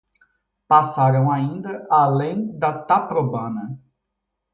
Passaram ainda além da Taprobana